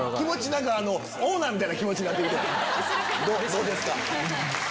どうですか？